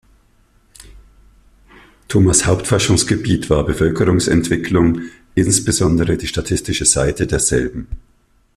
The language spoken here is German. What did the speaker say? Thomas' Hauptforschungsgebiet war Bevölkerungsentwicklung, insbesondere die statistische Seite derselben.